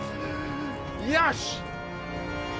よし！